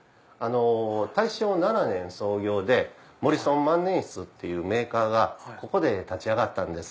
大正７年創業でモリソン万年筆っていうメーカーがここで立ち上がったんです。